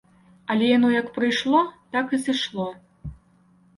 Але яно як прыйшло, так і сышло.